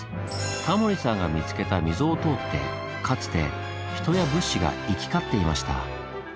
タモリさんが見つけた溝を通ってかつて人や物資が行き交っていました。